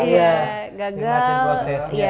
pokoknya dari bawah terus terusan gagal